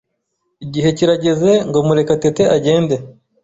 Igihe kirageze ngo Murekatete agende.